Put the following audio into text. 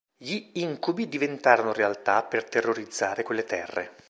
Gli incubi diventarono realtà per terrorizzare quelle terre.